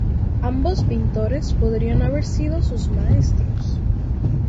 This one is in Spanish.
Ambos pintores podrían haber sido sus maestros.